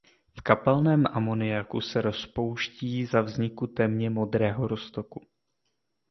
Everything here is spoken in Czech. V kapalném amoniaku se rozpouští za vzniku temně modrého roztoku.